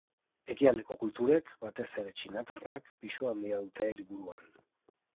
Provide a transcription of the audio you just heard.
Ekialdeko kulturek, batez ere txinatarrak, pisu handia dute liburuan.